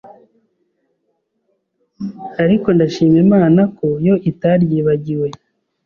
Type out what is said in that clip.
ariko ndashima Imana ko yo itaryibagiwe.